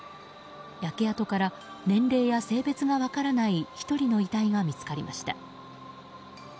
焼け跡から年齢や性別が分からない１人の遺体が見つかりました。